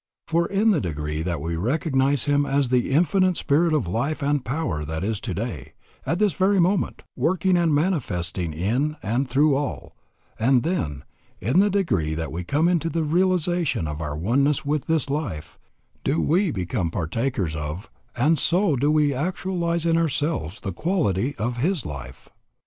For in the degree that we recognize Him as the Infinite Spirit of Life and Power that is today, at this very moment, working and manifesting in and through all, and then, in the degree that we come into the realization of our oneness with this life, do we become partakers of, and so do we actualize in ourselves the qualities of His life.